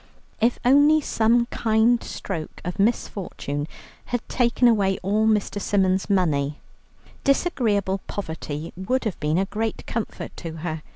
If only some kind stroke of misfortune had taken away all Mr. Symons' money. Disagreeable poverty would have been a great comfort to her.